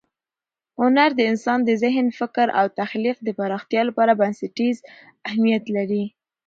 هنر د انسان د ذهن، فکر او تخلیق د پراختیا لپاره بنسټیز اهمیت لري.